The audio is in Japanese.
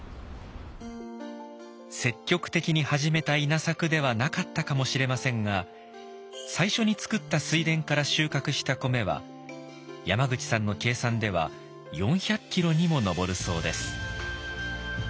積極的に始めた稲作ではなかったかもしれませんが最初に作った水田から収穫した米は山口さんの計算では４００キロにも上るそうです。